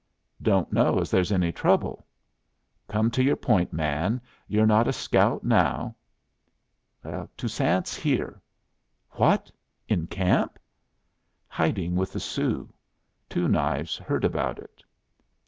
"Don't know as there's any trouble." "Come to your point, man; you're not a scout now." "Toussaint's here." "What! in camp?" "Hiding with the Sioux. Two Knives heard about it."